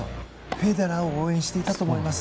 フェデラーを応援していたと思います。